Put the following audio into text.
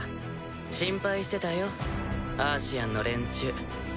心配してたよアーシアンの連中。